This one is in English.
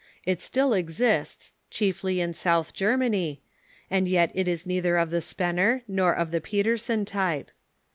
It still exists, chiefly in Soutb Germany, and yet it is neitber of the Spener nor of the Petersen type.